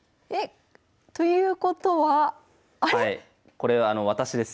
これ私です。